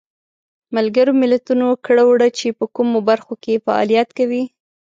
ملګرو ملتونو کړه وړه چې په کومو برخو کې فعالیت کوي.